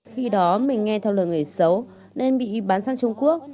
khi đó mình nghe theo lời người xấu nên bị bán sang trung quốc